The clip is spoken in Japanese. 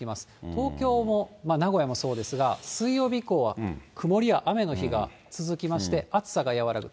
東京も名古屋もそうですが、水曜日以降は、曇りや雨の日が続きまして、暑さが和らぐ。